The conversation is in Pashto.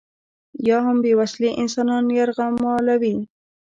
یا هم بې وسلې انسانان یرغمالوي.